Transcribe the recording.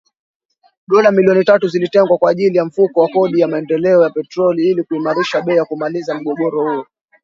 Dola milioni tatu zilitengwa kwa ajili ya Mfuko wa Kodi ya Maendeleo ya Petroli ili kuimarisha bei na kumaliza mgogoro huo